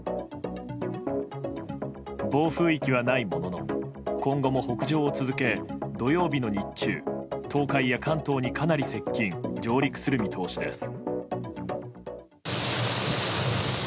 暴風域はないものの今後も北上を続け土曜日の日中、東海や関東にかなり接近・上陸する見通しです。